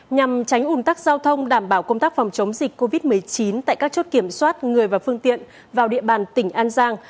nhằm tránh ủn tắc giao thông đảm bảo công tác phòng chống dịch covid một mươi chín tại các chốt kiểm soát người và phương tiện vào địa bàn tỉnh an giang